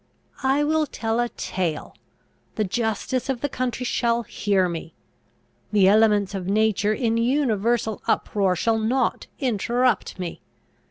I will tell a tale ! The justice of the country shall hear me! The elements of nature in universal uproar shall not interrupt me!